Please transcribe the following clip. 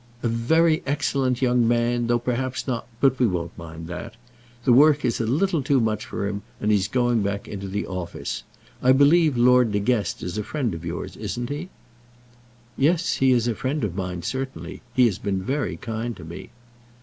"A very excellent young man, though perhaps not But we won't mind that. The work is a little too much for him, and he's going back into the office. I believe Lord De Guest is a friend of yours; isn't he?" "Yes; he is a friend of mine, certainly. He's been very kind to me."